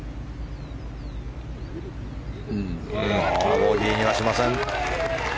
ボギーにはしません。